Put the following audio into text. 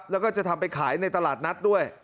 แล้วก็จะทำไปขายในตลาดนัดด้วย